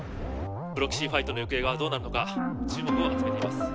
プロキシーファイトの行方はどうなるのか注目を集めています